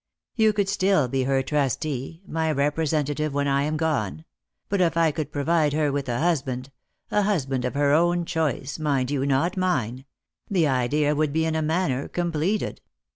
You could still be her trustee, my representative when I am gone ; but if I could pro vide her with a husband — a husband of her own choice, mind you, not mine — the idea would be in a manner completed."